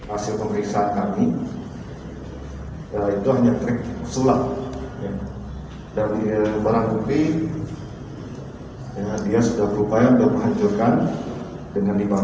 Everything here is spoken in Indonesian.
apa yang digandalkan